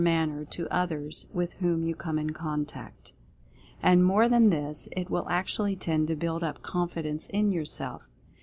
Influence 211 Manner to others with whom you come in contact. And, more than this, it will actually tend to build up confidence in yourself.